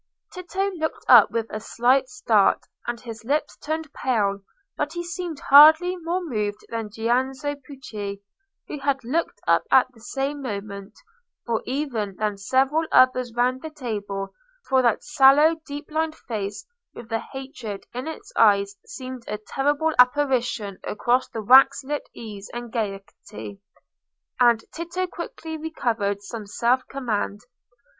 Tito looked up with a slight start, and his lips turned pale, but he seemed hardly more moved than Giannozzo Pucci, who had looked up at the same moment—or even than several others round the table; for that sallow deep lined face with the hatred in its eyes seemed a terrible apparition across the wax lit ease and gaiety. And Tito quickly recovered some self command.